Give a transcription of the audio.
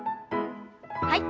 はい。